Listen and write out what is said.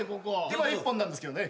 今１本なんですけどね